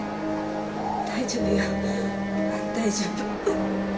大丈夫よ大丈夫。